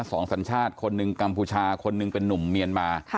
สัญชาติคนหนึ่งกัมพูชาคนหนึ่งเป็นนุ่มเมียนมา